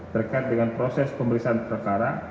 terkait dengan proses pemeriksaan perkara